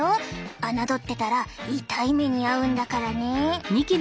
侮ってたら痛い目に遭うんだからね。